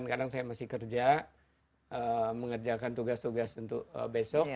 kadang saya masih kerja mengerjakan tugas tugas untuk besok